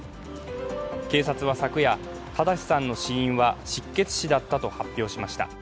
警察は昨夜、正さんの死因は失血死だったと発表しました。